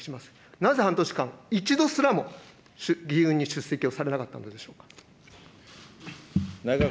なぜ半年間、一度すらも議運に出席されなかったんでしょうか。